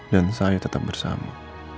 dan saya tetap bersama